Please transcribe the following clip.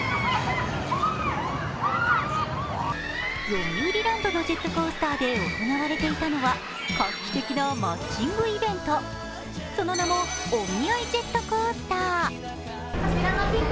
よみうりランドのジェットコースターで行われていたのは画期的なマッチングイベント、その名もＯｍｉａｉジェットコースター。